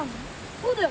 そうだよ。